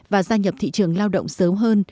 và gia nhập thị trường lao động sớm hơn